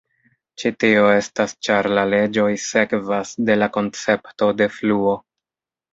Ĉi tio estas ĉar la leĝoj sekvas de la koncepto de fluo.